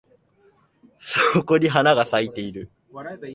そこに花が咲いてる